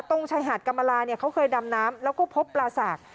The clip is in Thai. ตรงชายหาดกรรมลาเนี่ยเขาเคยดำน้ำแล้วก็พบปลาสาก